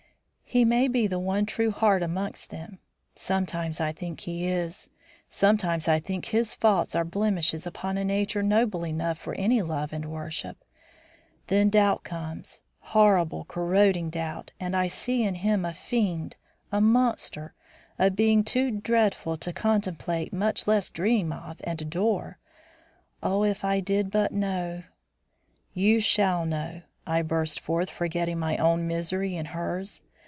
"He may be the one true heart amongst them. Sometimes I think he is; sometimes I think his faults are blemishes upon a nature noble enough for any love and worship; then doubt comes, horrible, corroding doubt, and I see in him a fiend, a monster, a being too dreadful to contemplate, much less dream of and adore. Oh, if I did but know " "You shall know!" I burst forth, forgetting my own misery in hers.